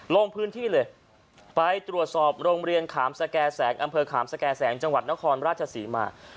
ลงพื้นที่เลยไปตรวจสอบโรงเรียนขามสแก่แสงอำเภอขามสแก่แสงจังหวัดนครราชศรีมา